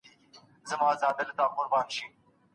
ړانده سړي له ږیري سره بې ډاره اتڼ کړی و.